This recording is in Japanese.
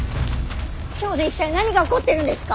京で一体何が起こってるんですか。